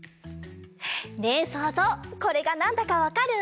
ねえそうぞうこれがなんだかわかる？